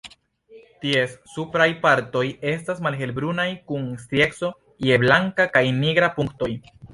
Ties supraj partoj estas malhelbrunaj kun strieco je blanka kaj nigraj punktoj.